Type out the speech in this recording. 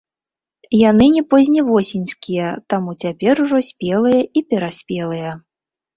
Яны не позневосеньскія, таму цяпер ужо спелыя і пераспелыя.